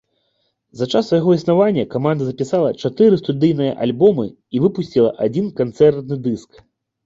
За час свайго існавання каманда запісала чатыры студыйныя альбомы і выпусціла адзін канцэртны дыск.